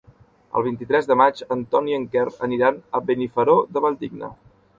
El vint-i-tres de maig en Ton i en Quer aniran a Benifairó de la Valldigna.